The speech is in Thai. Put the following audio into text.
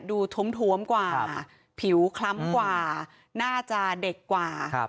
ดูทุ่มทุ่มกว่าผิวคล้ำกว่าหน้าจาเด็กกว่าครับ